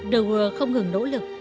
de waal không ngừng nỗ lực